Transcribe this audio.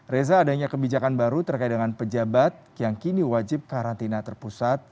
reza adanya kebijakan baru terkait dengan pejabat yang kini wajib karantina terpusat